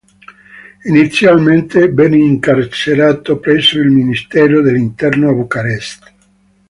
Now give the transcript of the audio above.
Inizialmente venne incarcerato presso il Ministero dell'interno a Bucarest.